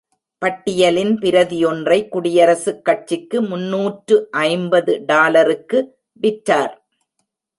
பட்டியலின் பிரதி ஒன்றை குடியரசுக் கட்சிக்கு முன்னூற்று ஐம்பது டாலருக்கு விற்றார்.